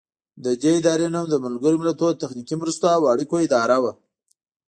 د دې ادارې نوم د ملګرو ملتونو د تخنیکي مرستو او اړیکو اداره و.